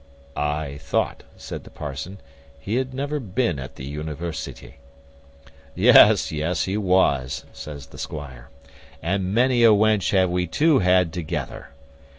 "I thought," said the parson, "he had never been at the university." "Yes, yes, he was," says the squire: "and many a wench have we two had together.